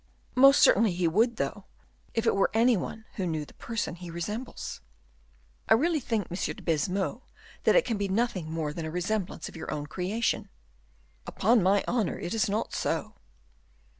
"Most certainly he would, though, if it were any one who knew the person he resembles." "I really think, dear M. Baisemeaux, that it can be nothing more than a resemblance of your own creation." "Upon my honor, it is not so."